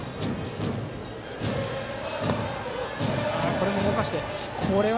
これも動かしてきた。